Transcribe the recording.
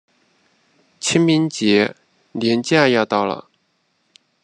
清明节连假要到了